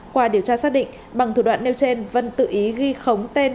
qua điều tra xác định bằng thủ đoạn nêu trên vân tự ý ghi khống tên